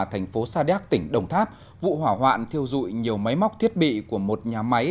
thành phố sa đéc tỉnh đồng tháp vụ hỏa hoạn thiêu dụi nhiều máy móc thiết bị của một nhà máy